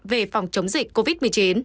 về phòng chống dịch covid một mươi chín